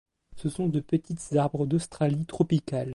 Ce sont de petites arbres d'Australie tropicale.